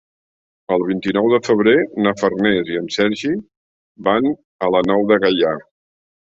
El vint-i-nou de febrer na Farners i en Sergi van a la Nou de Gaià.